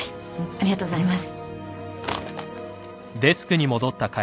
ありがとうございます。